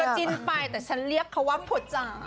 ใครจะจีนก็จีนไปแต่ฉันเรียกเขาว่าผัวจ๋าย